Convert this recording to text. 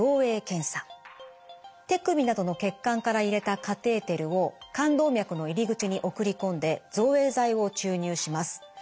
手首などの血管から入れたカテーテルを冠動脈の入り口に送り込んで造影剤を注入します。